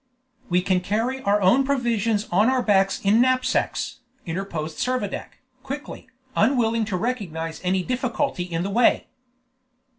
"We can carry our own provisions on our backs in knapsacks," interposed Servadac, quickly, unwilling to recognize any difficulty in the way.